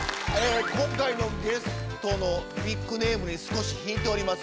今回のゲストのビッグネームに少し引いております。